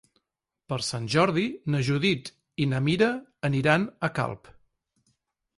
Per Sant Jordi na Judit i na Mira aniran a Calp.